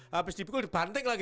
habis dipukul dibantik lagi